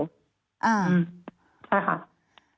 ใช่ค่ะ